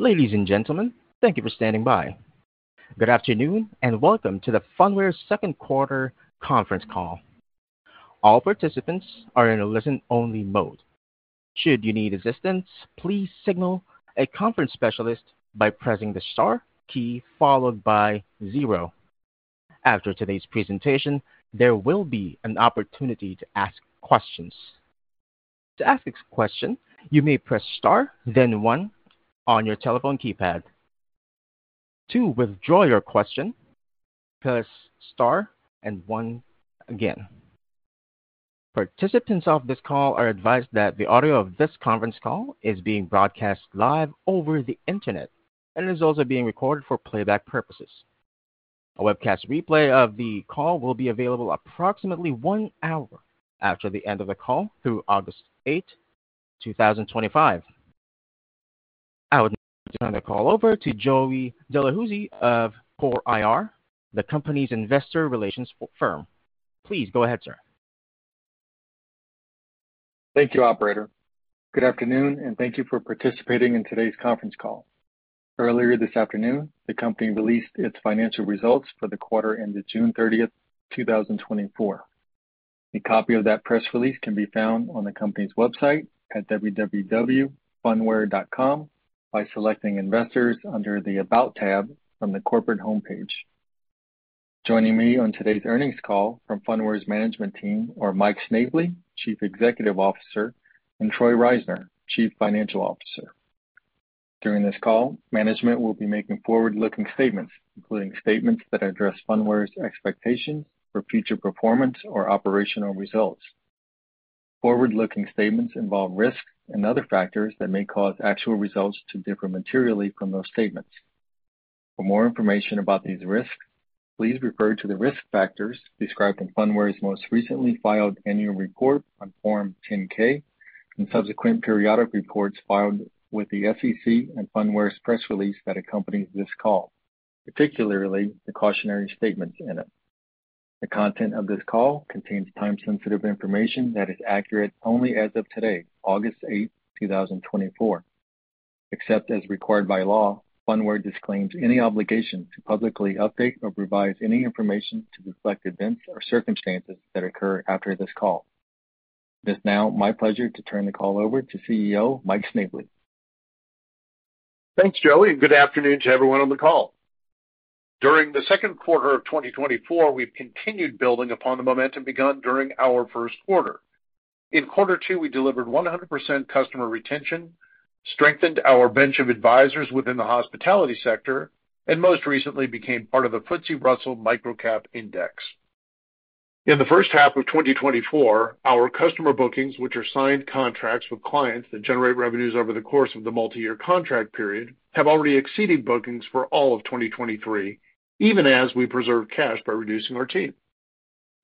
Ladies and gentlemen, thank you for standing by. Good afternoon, and welcome to Phunware's second quarter conference call. All participants are in a listen-only mode. Should you need assistance, please signal a conference specialist by pressing the star key followed by zero. After today's presentation, there will be an opportunity to ask questions. To ask this question, you may press star, then one on your telephone keypad. To withdraw your question, press star and one again. Participants of this call are advised that the audio of this conference call is being broadcast live over the Internet and is also being recorded for playback purposes. A webcast replay of the call will be available approximately one hour after the end of the call through August 8, 2025. I would now turn the call over to Joey Delahoussaye of Core IR, the company's investor relations firm. Please go ahead, sir. Thank you, operator. Good afternoon, and thank you for participating in today's conference call. Earlier this afternoon, the company released its financial results for the quarter ended June 30, 2024. A copy of that press release can be found on the company's website at www.phunware.com by selecting Investors under the About tab from the corporate homepage. Joining me on today's earnings call from Phunware's management team are Mike Snavely, Chief Executive Officer, and Troy Reisner, Chief Financial Officer. During this call, management will be making forward-looking statements, including statements that address Phunware's expectations for future performance or operational results. Forward-looking statements involve risks and other factors that may cause actual results to differ materially from those statements. For more information about these risks, please refer to the risk factors described in Phunware's most recently filed annual report on Form 10-K and subsequent periodic reports filed with the SEC and Phunware's press release that accompanies this call, particularly the cautionary statements in it. The content of this call contains time-sensitive information that is accurate only as of today, August eighth, two thousand and twenty-four. Except as required by law, Phunware disclaims any obligation to publicly update or revise any information to reflect events or circumstances that occur after this call. It's now my pleasure to turn the call over to CEO Mike Snavely. Thanks, Joey, and good afternoon to everyone on the call. During the second quarter of 2024, we've continued building upon the momentum begun during our first quarter. In quarter two, we delivered 100% customer retention, strengthened our bench of advisors within the hospitality sector, and most recently became part of the FTSE Russell Microcap Index. In the first half of 2024, our customer bookings, which are signed contracts with clients that generate revenues over the course of the multi-year contract period, have already exceeded bookings for all of 2023, even as we preserve cash by reducing our team.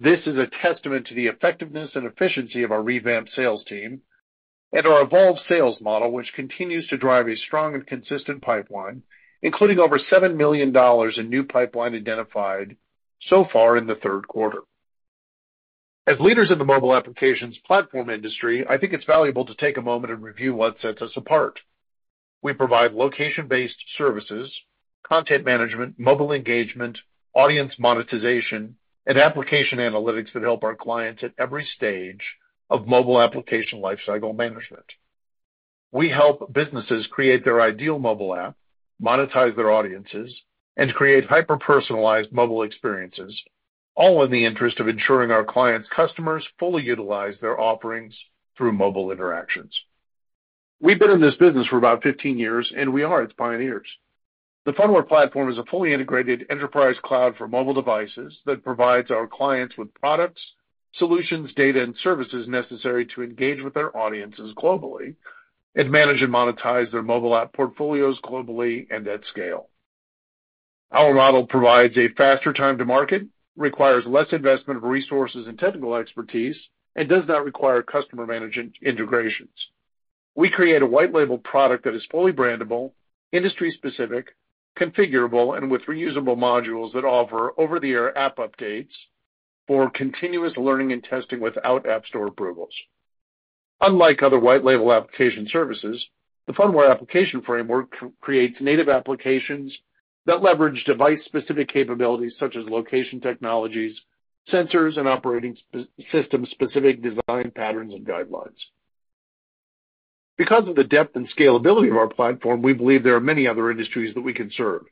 This is a testament to the effectiveness and efficiency of our revamped sales team and our evolved sales model, which continues to drive a strong and consistent pipeline, including over $7 million in new pipeline identified so far in the third quarter. As leaders in the mobile applications platform industry, I think it's valuable to take a moment and review what sets us apart. We provide location-based services, content management, mobile engagement, audience monetization, and application analytics that help our clients at every stage of mobile application lifecycle management. We help businesses create their ideal mobile app, monetize their audiences, and create hyper-personalized mobile experiences, all in the interest of ensuring our clients' customers fully utilize their offerings through mobile interactions. We've been in this business for about 15 years, and we are its pioneers. The Phunware platform is a fully integrated enterprise cloud for mobile devices that provides our clients with products, solutions, data, and services necessary to engage with their audiences globally and manage and monetize their mobile app portfolios globally and at scale. Our model provides a faster time to market, requires less investment of resources and technical expertise, and does not require customer management integrations. We create a white label product that is fully brandable, industry-specific, configurable, and with reusable modules that offer over-the-air app updates for continuous learning and testing without app store approvals. Unlike other white label application services, the Phunware application framework creates native applications that leverage device-specific capabilities such as location technologies, sensors, and operating system-specific design patterns and guidelines. Because of the depth and scalability of our platform, we believe there are many other industries that we can serve.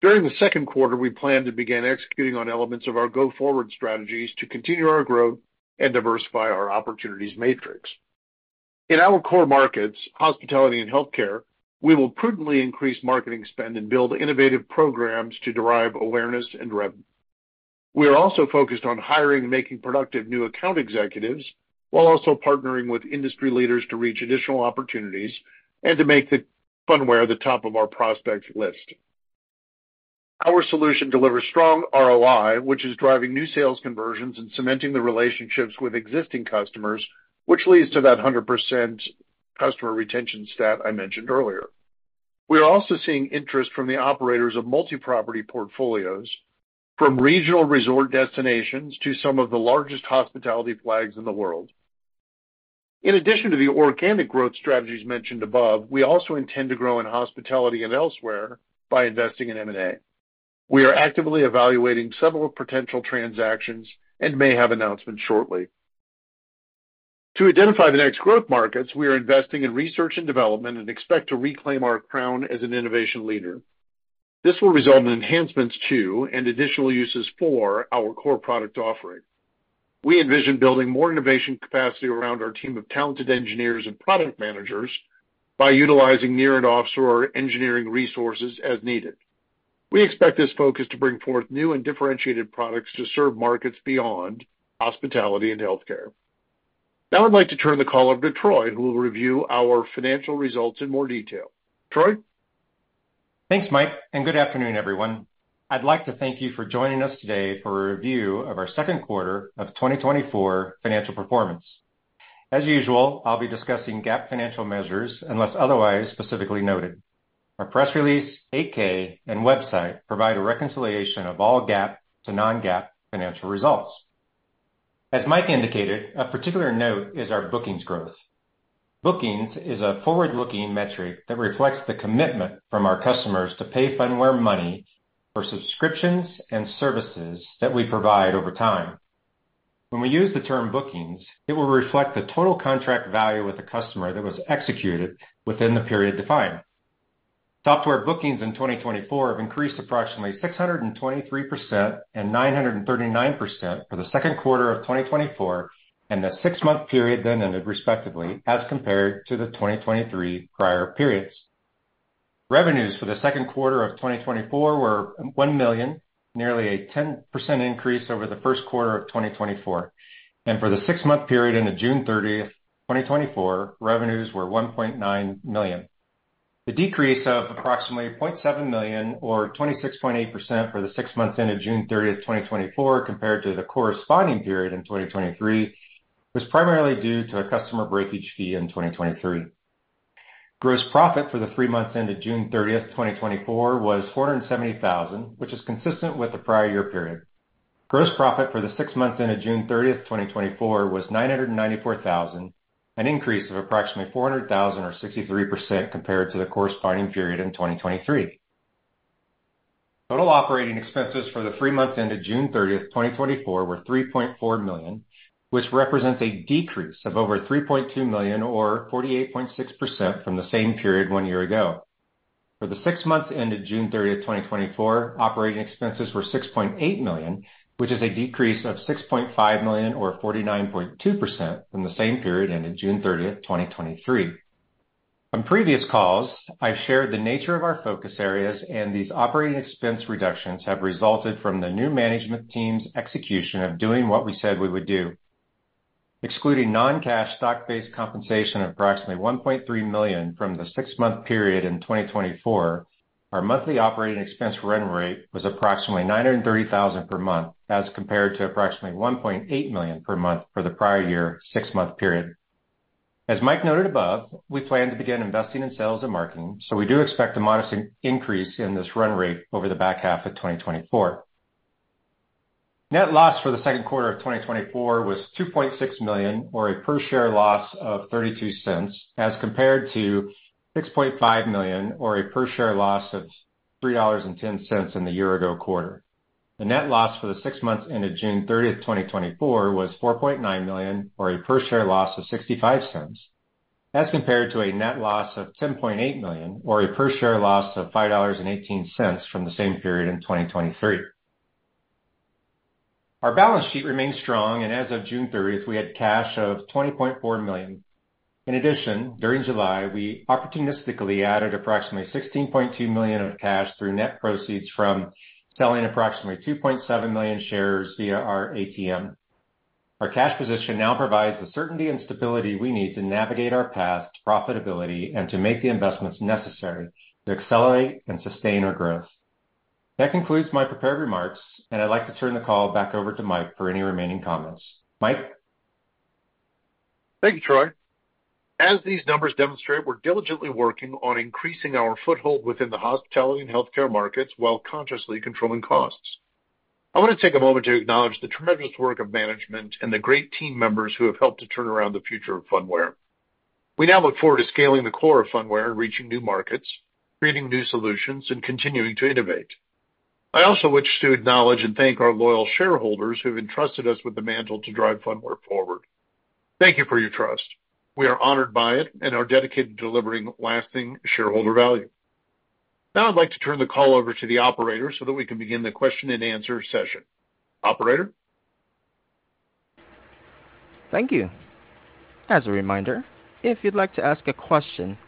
During the second quarter, we plan to begin executing on elements of our go-forward strategies to continue our growth and diversify our opportunities matrix. In our core markets, hospitality and healthcare, we will prudently increase marketing spend and build innovative programs to derive awareness and revenue. We are also focused on hiring and making productive new account executives, while also partnering with industry leaders to reach additional opportunities and to make the Phunware the top of our prospects list. Our solution delivers strong ROI, which is driving new sales conversions and cementing the relationships with existing customers, which leads to that 100% customer retention stat I mentioned earlier. We are also seeing interest from the operators of multi-property portfolios, from regional resort destinations to some of the largest hospitality flags in the world. In addition to the organic growth strategies mentioned above, we also intend to grow in hospitality and elsewhere by investing in M&A. We are actively evaluating several potential transactions and may have announcements shortly. To identify the next growth markets, we are investing in research and development and expect to reclaim our crown as an innovation leader. This will result in enhancements to, and additional uses for, our core product offering. We envision building more innovation capacity around our team of talented engineers and product managers by utilizing near and offshore engineering resources as needed. We expect this focus to bring forth new and differentiated products to serve markets beyond hospitality and healthcare. Now I'd like to turn the call over to Troy, who will review our financial results in more detail. Troy? Thanks, Mike, and good afternoon, everyone. I'd like to thank you for joining us today for a review of our second quarter of 2024 financial performance. As usual, I'll be discussing GAAP financial measures, unless otherwise specifically noted. Our press release, 8-K, and website provide a reconciliation of all GAAP to non-GAAP financial results. As Mike indicated, a particular note is our bookings growth. Bookings is a forward-looking metric that reflects the commitment from our customers to pay Phunware money for subscriptions and services that we provide over time. When we use the term bookings, it will reflect the total contract value with the customer that was executed within the period defined. Software bookings in 2024 have increased approximately 623% and 939% for the second quarter of 2024, and the six-month period then ended respectively, as compared to the 2023 prior periods. Revenues for the second quarter of 2024 were $1 million, nearly a 10% increase over the first quarter of 2024, and for the six-month period ended June 30, 2024, revenues were $1.9 million. The decrease of approximately $0.7 million or 26.8% for the six months ended June 30, 2024, compared to the corresponding period in 2023, was primarily due to a customer breakage fee in 2023. Gross profit for the three months ended June 30, 2024, was $470,000, which is consistent with the prior year period. Gross profit for the six months ended June 30, 2024, was $994,000, an increase of approximately $400,000 or 63% compared to the corresponding period in 2023. Total operating expenses for the three months ended June 30, 2024, were $3.4 million, which represents a decrease of over $3.2 million or 48.6% from the same period one year ago. For the six months ended June 30, 2024, operating expenses were $6.8 million, which is a decrease of $6.5 million or 49.2% from the same period ended June 30, 2023. On previous calls, I've shared the nature of our focus areas, and these operating expense reductions have resulted from the new management team's execution of doing what we said we would do. Excluding non-cash stock-based compensation of approximately $1.3 million from the six-month period in 2024, our monthly operating expense run rate was approximately $930,000 per month, as compared to approximately $1.8 million per month for the prior year, six-month period. As Mike noted above, we plan to begin investing in sales and marketing, so we do expect a modest increase in this run rate over the back half of 2024. Net loss for the second quarter of 2024 was $2.6 million, or a per share loss of $0.32, as compared to $6.5 million, or a per share loss of $3.10 in the year ago quarter. The net loss for the six months ended June 30, 2024, was $4.9 million, or a per share loss of $0.65. That's compared to a net loss of $10.8 million, or a per share loss of $5.18 from the same period in 2023. Our balance sheet remains strong, and as of June thirtieth, we had cash of $20.4 million. In addition, during July, we opportunistically added approximately $16.2 million of cash through net proceeds from selling approximately 2.7 million shares via our ATM. Our cash position now provides the certainty and stability we need to navigate our path to profitability and to make the investments necessary to accelerate and sustain our growth. That concludes my prepared remarks, and I'd like to turn the call back over to Mike for any remaining comments. Mike? Thank you, Troy. As these numbers demonstrate, we're diligently working on increasing our foothold within the hospitality and healthcare markets while consciously controlling costs. I want to take a moment to acknowledge the tremendous work of management and the great team members who have helped to turn around the future of Phunware. We now look forward to scaling the core of Phunware and reaching new markets, creating new solutions, and continuing to innovate. I also wish to acknowledge and thank our loyal shareholders who have entrusted us with the mantle to drive Phunware forward. Thank you for your trust. We are honored by it and are dedicated to delivering lasting shareholder value. Now, I'd like to turn the call over to the operator so that we can begin the question-and-answer session. Operator? Thank you. As a reminder, if you'd like to ask a question,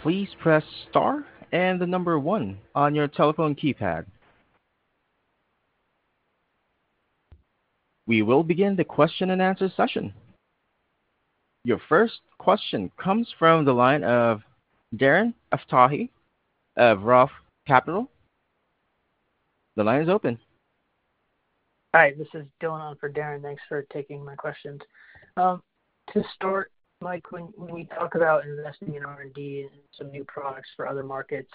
please press star and the number one on your telephone keypad. We will begin the question-and-answer session. Your first question comes from the line of Darren Aftahi of Roth Capital. The line is open. Hi, this is Dylan on for Darren. Thanks for taking my questions. To start, Mike, when, when we talk about investing in R&D and some new products for other markets,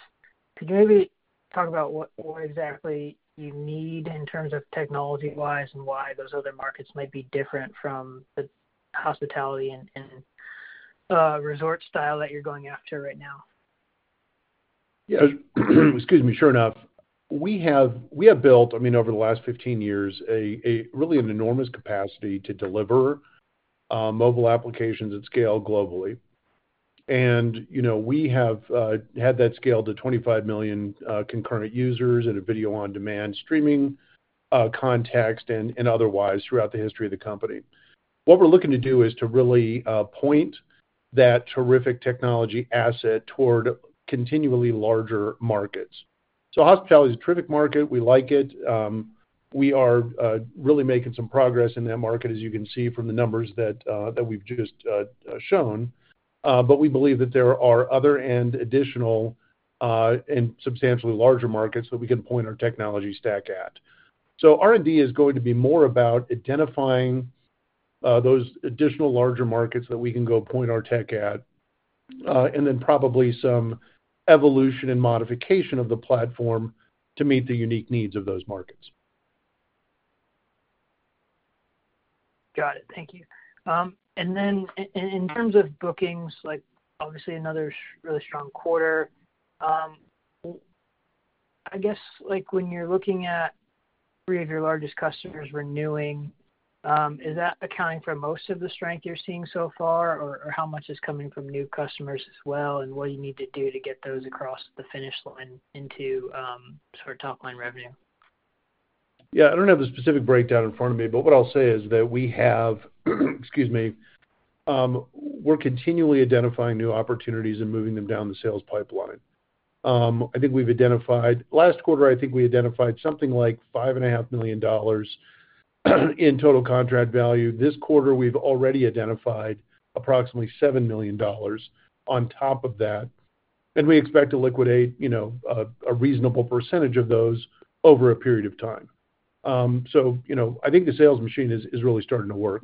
could you maybe talk about what, what exactly you need in terms of technology-wise, and why those other markets might be different from the hospitality and, and, resort style that you're going after right now? Yeah, excuse me. Sure enough, we have built, I mean, over the last 15 years, a really an enormous capacity to deliver mobile applications at scale globally. And, you know, we have had that scale to 25 million concurrent users in a video-on-demand streaming context and otherwise throughout the history of the company. What we're looking to do is to really point that terrific technology asset toward continually larger markets. So hospitality is a terrific market. We like it. We are really making some progress in that market, as you can see from the numbers that we've just shown. But we believe that there are other and additional and substantially larger markets that we can point our technology stack at. So R&D is going to be more about identifying those additional larger markets that we can go point our tech at, and then probably some evolution and modification of the platform to meet the unique needs of those markets. Got it. Thank you. And then in terms of bookings, like obviously another really strong quarter, I guess, like when you're looking at three of your largest customers renewing, is that accounting for most of the strength you're seeing so far? Or, or how much is coming from new customers as well, and what do you need to do to get those across the finish line into, sort of top-line revenue? Yeah, I don't have a specific breakdown in front of me, but what I'll say is that we have, excuse me, we're continually identifying new opportunities and moving them down the sales pipeline. I think we've identified... Last quarter, I think we identified something like $5.5 million in total contract value. This quarter, we've already identified approximately $7 million on top of that, and we expect to liquidate, you know, a reasonable percentage of those over a period of time. So, you know, I think the sales machine is really starting to work.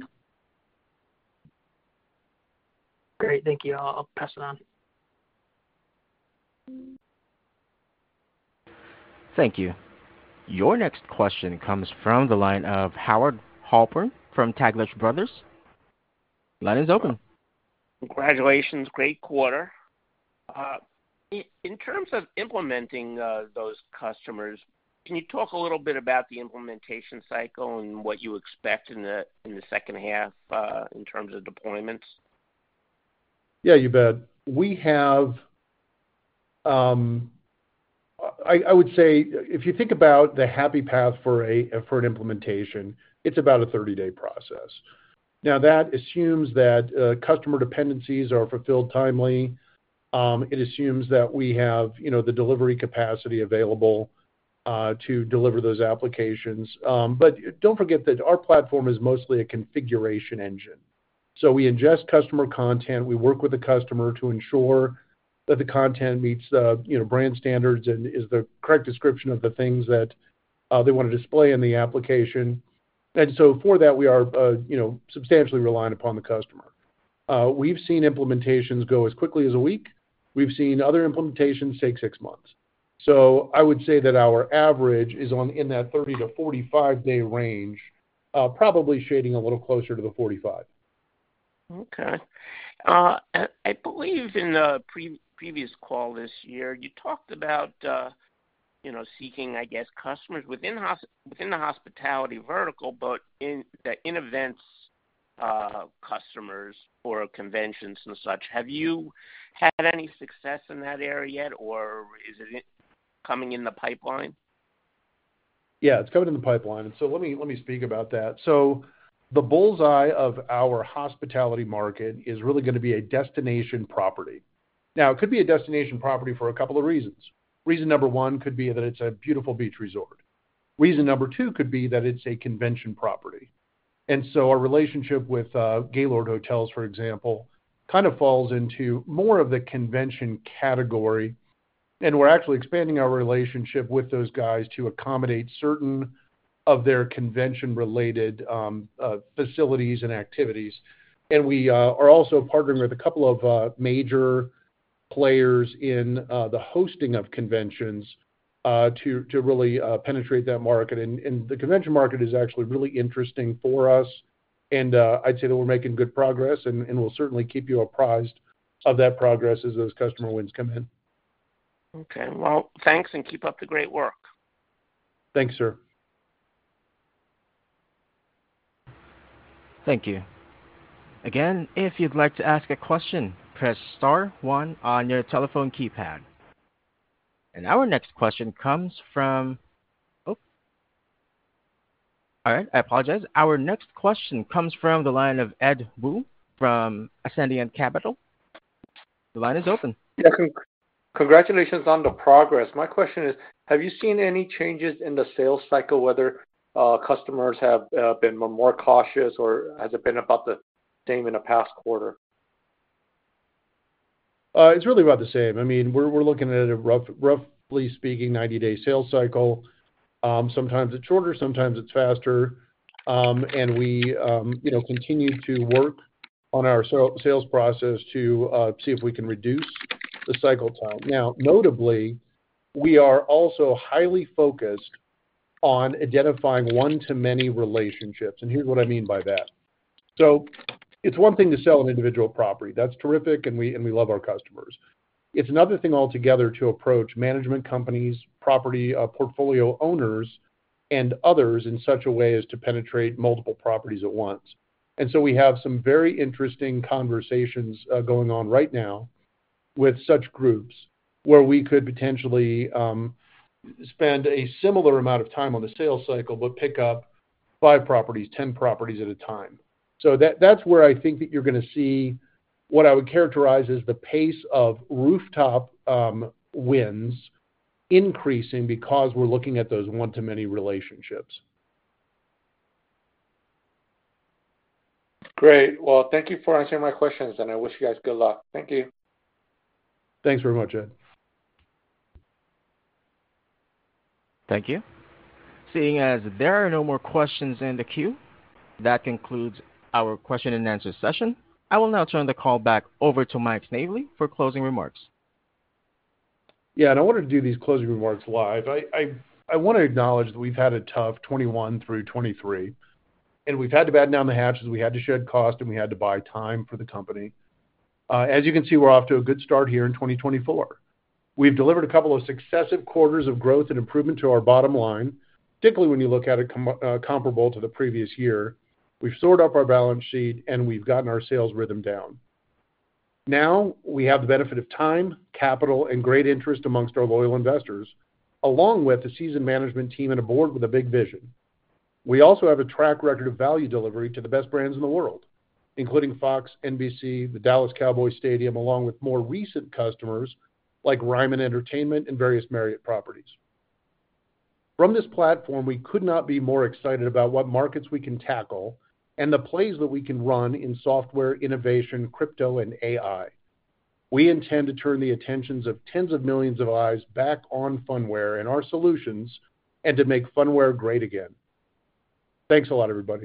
Great. Thank you. I'll pass it on. Thank you. Your next question comes from the line of Howard Halpern from Taglich Brothers. Line is open. Congratulations. Great quarter. In terms of implementing those customers, can you talk a little bit about the implementation cycle and what you expect in the second half, in terms of deployments? Yeah, you bet. We have, I would say if you think about the happy path for an implementation, it's about a 30-day process. Now, that assumes that customer dependencies are fulfilled timely. It assumes that we have, you know, the delivery capacity available to deliver those applications. But don't forget that our platform is mostly a configuration engine. So we ingest customer content, we work with the customer to ensure that the content meets the, you know, brand standards and is the correct description of the things that they want to display in the application. And so for that, we are, you know, substantially reliant upon the customer. We've seen implementations go as quickly as a week. We've seen other implementations take 6 months. So I would say that our average is on, in that 30-45-day range, probably shading a little closer to the 45. Okay. I believe in the previous call this year, you talked about, you know, seeking, I guess, customers within the hospitality vertical, but in the events customers or conventions and such. Have you had any success in that area yet, or is it coming in the pipeline? Yeah, it's coming in the pipeline, and so let me, let me speak about that. So the bull's-eye of our hospitality market is really gonna be a destination property. Now, it could be a destination property for a couple of reasons. Reason number one could be that it's a beautiful beach resort. Reason number two could be that it's a convention property. And so our relationship with Gaylord Hotels, for example, kind of falls into more of the convention category, and we're actually expanding our relationship with those guys to accommodate certain of their convention-related facilities and activities. And we are also partnering with a couple of major players in the hosting of conventions to really penetrate that market. The convention market is actually really interesting for us, and I'd say that we're making good progress, and we'll certainly keep you apprised of that progress as those customer wins come in. Okay. Well, thanks, and keep up the great work. Thanks, sir. Thank you. Again, if you'd like to ask a question, press star one on your telephone keypad. And our next question comes from... Oh, all right, I apologize. Our next question comes from the line of Ed Woo from Ascendiant Capital. The line is open. Yeah, congratulations on the progress. My question is, have you seen any changes in the sales cycle, whether customers have been more cautious, or has it been about the same in the past quarter?... It's really about the same. I mean, we're, we're looking at a rough, roughly speaking, 90-day sales cycle. Sometimes it's shorter, sometimes it's faster. And we, you know, continue to work on our sales process to see if we can reduce the cycle time. Now, notably, we are also highly focused on identifying one-to-many relationships, and here's what I mean by that. So it's one thing to sell an individual property. That's terrific, and we, and we love our customers. It's another thing altogether to approach management companies, property, portfolio owners, and others in such a way as to penetrate multiple properties at once. And so we have some very interesting conversations going on right now with such groups, where we could potentially spend a similar amount of time on the sales cycle, but pick up 5 properties, 10 properties at a time. So that's where I think that you're gonna see what I would characterize as the pace of rooftop wins increasing because we're looking at those one-to-many relationships. Great. Well, thank you for answering my questions, and I wish you guys good luck. Thank you. Thanks very much, Ed. Thank you. Seeing as there are no more questions in the queue, that concludes our question-and-answer session. I will now turn the call back over to Mike Snavely for closing remarks. Yeah, and I wanted to do these closing remarks live. I wanna acknowledge that we've had a tough 2021 through 2023, and we've had to batten down the hatches. We had to shed cost, and we had to buy time for the company. As you can see, we're off to a good start here in 2024. We've delivered a couple of successive quarters of growth and improvement to our bottom line, particularly when you look at it comparable to the previous year. We've shored up our balance sheet, and we've gotten our sales rhythm down. Now, we have the benefit of time, capital, and great interest amongst our loyal investors, along with a seasoned management team and a board with a big vision. We also have a track record of value delivery to the best brands in the world, including Fox, NBC, the Dallas Cowboys Stadium, along with more recent customers like Ryman Entertainment and various Marriott properties. From this platform, we could not be more excited about what markets we can tackle and the plays that we can run in software, innovation, crypto, and AI. We intend to turn the attentions of tens of millions of eyes back on Phunware and our solutions, and to make Phunware great again. Thanks a lot, everybody.